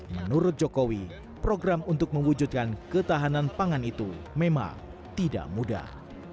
menurut jokowi program untuk mewujudkan ketahanan pangan itu memang tidak mudah